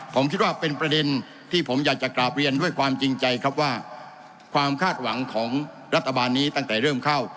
ผมคิดว่าเป็นประเด็นที่ผมอยากจะกราบเรียนด้วยความจริงใจครับว่าความคาดหวังของรัฐบาลนี้ตั้งแต่เริ่มเข้า